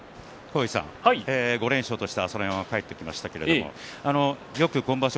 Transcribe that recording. ５連勝とした朝乃山帰っていきましたけれどもよく今場所